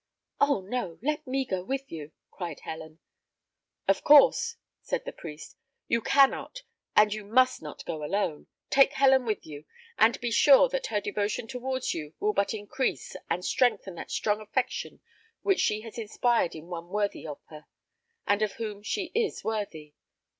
"Oh no! let me go with you!" cried Helen, "Of course," said the priest. "You cannot, and you must not go alone. Take Helen with you, and be sure that her devotion towards you will but increase and strengthen that strong affection which she has inspired in one worthy of her, and of whom she is worthy.